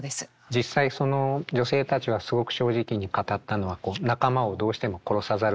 実際その女性たちがすごく正直に語ったのは仲間をどうしても殺さざるをえなかったこと。